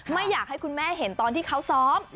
ไม่อยากให้คุณแม่เห็นตอนที่เขาซ้อม